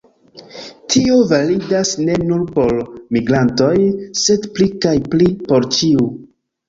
Tio validas ne nur por migrantoj, sed pli kaj pli por ĉiu.